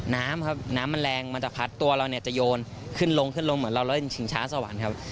น้ำครับน้ำมันแรงมันจะพัดตัวเราเนี่ยจะโยนขึ้นลงขึ้นลงเหมือนเราแล้วชิงช้าสวรรค์ครับ